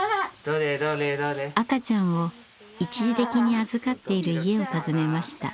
赤ちゃんを一時的に預かっている家を訪ねました。